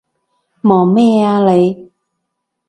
望咩啊你？